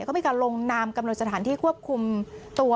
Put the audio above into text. เขามีการลงนามกำหนดสถานที่ควบคุมตัว